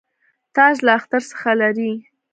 تاج له اختر څخه لري.